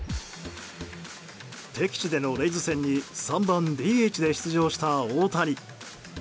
敵地でのレイズ戦に３番ＤＨで出場した大谷。